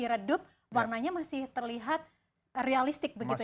di redup warnanya masih terlihat realistik begitu ya pak ya